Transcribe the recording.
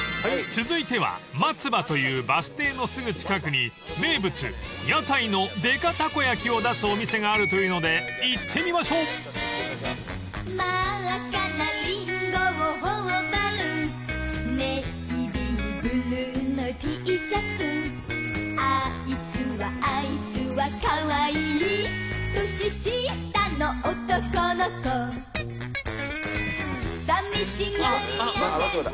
［続いては松葉というバス停のすぐ近くに名物屋台のでかたこ焼きを出すお店があるというので行ってみましょう］松葉だ。